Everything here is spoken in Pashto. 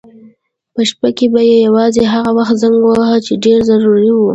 په شپه کې به یې یوازې هغه وخت زنګ واهه چې ډېر ضروري و.